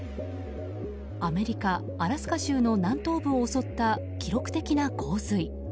アメリカ・アラスカ州の南東部を襲った記録的な洪水。